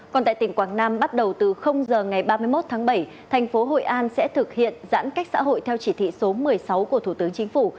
còn tại tỉnh quảng nam bắt đầu từ giờ ngày ba mươi một tháng bảy thành phố hội an sẽ thực hiện giãn cách xã hội theo chỉ thị số một mươi sáu của thủ tướng chính phủ